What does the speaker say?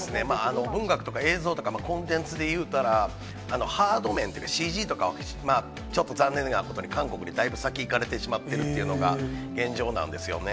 文学とか映像とかコンテンツで言うたら、ハード面とか、ＣＧとかはちょっと残念なことに、韓国にだいぶ先行かれてしまっているというのが現状なんですよね。